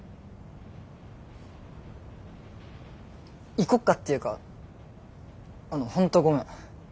行こっかっていうかあの本当ごめん。